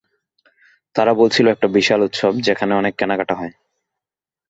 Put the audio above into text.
তারা বলছিল একটা বিশাল উৎসব যেখানে অনেক কেনাকাটা হয়।